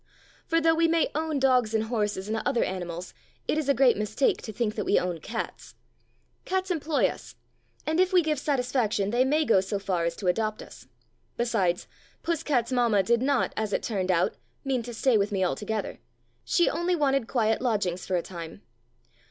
For though we may own dogs and horses and other animals, it is a great mistake to think that we own cats. Cats employ us, and if we give satisfaction they may go so far as to adopt us. Besides, Puss cat's mamma did not, as it turned out, mean to stay with me altogether : she only wanted quiet lodgings for a time.